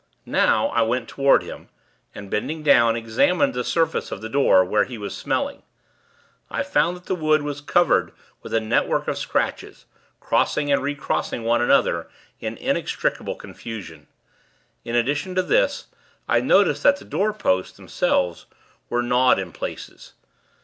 Now, I went toward him, and, bending down, examined the surface of the door, where he was smelling. I found that the wood was covered with a network of scratches, crossing and recrossing one another, in inextricable confusion. In addition to this, I noticed that the doorposts, themselves, were gnawed in places.